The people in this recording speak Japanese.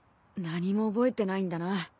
何も覚えてないんだな。